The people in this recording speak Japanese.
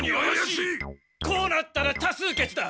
こうなったら多数決だ！